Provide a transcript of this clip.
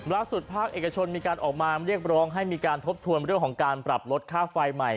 ภาคเอกชนมีการออกมาเรียกร้องให้มีการทบทวนเรื่องของการปรับลดค่าไฟใหม่